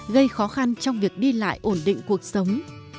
gây khó khăn trong việc đi lại ổn định cuộc sống